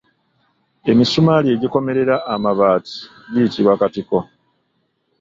Emisumaali egikomerera amabaati giyitibwa katiko.